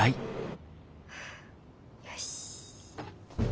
よし。